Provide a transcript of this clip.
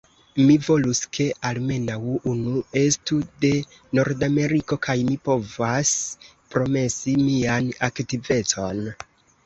Mi volus, ke almenaŭ unu estu de Nordameriko, kaj mi povas promesi mian aktivecon.